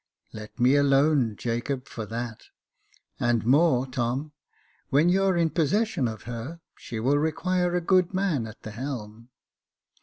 "Let me alone, Jacob, for that." And more, Tom, when you're in possession of her, she will require a good man at the helm."